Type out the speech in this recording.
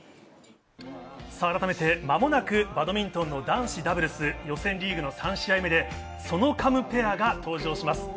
改めて間もなくバドミントンの男子ダブルス予選リーグの３試合目でソノカムペアが登場します。